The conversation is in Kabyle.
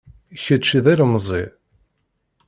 Kečč d ilemẓi.